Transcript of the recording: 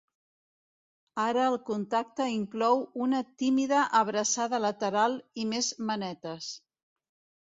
Ara el contacte inclou una tímida abraçada lateral i més manetes.